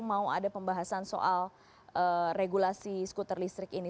mau ada pembahasan soal regulasi skuter listrik ini